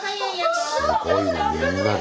すごいねみんなで。